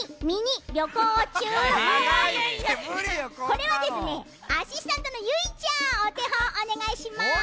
これはですねアシスタントのゆいちゃんおてほんおねがいします。